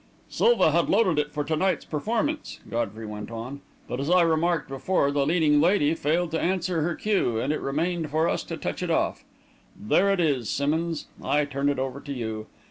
"Silva had loaded it for to night's performance," Godfrey went on, "but, as I remarked before, the leading lady failed to answer her cue, and it remained for us to touch it off. There it is, Simmonds; I turn it over to you.